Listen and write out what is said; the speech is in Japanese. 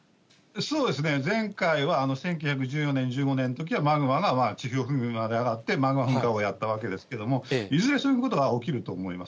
そうですね、前回は１９１４年、１５年のときは、マグマが地表付近まで上がって、マグマ噴火をやったわけですけれども、いずれそういうことが起きると思います。